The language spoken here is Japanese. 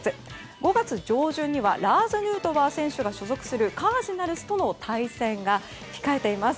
５月上旬にはラーズ・ヌートバー選手が所属するカージナルスとの対戦が控えています。